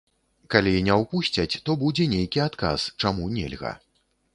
Калі не ўпусцяць, то будзе нейкі адказ, чаму нельга.